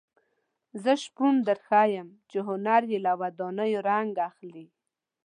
زه شپون درښیم چې هنر یې له ودانیو رنګ اخلي.